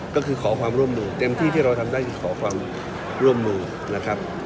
ก็คือขอความร่วมมือเต็มที่ที่เราทำได้คือขอความร่วมมือนะครับ